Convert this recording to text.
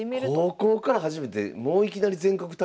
高校から始めてもういきなり全国大会？